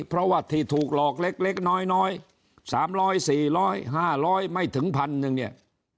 เพราะว่าที่ถูกหลอกเล็กน้อย๓๐๐๔๐๐๕๐๐ไม่ถึงพันหนึ่งเนี่ย